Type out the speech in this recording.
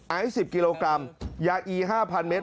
อายุ๑๐กิโลกรัมยาอี๕พันเมตร